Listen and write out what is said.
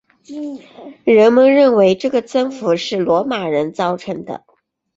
人们认为这个增幅是罗马人造成的。